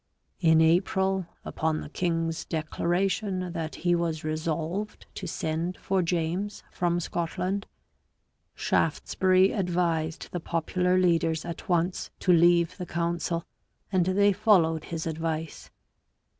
In April, upon the king's declaration that he was resolved to send for James from Scotland, Shaftesbury advised the popular leaders at once to leave the council, and they followed his advice.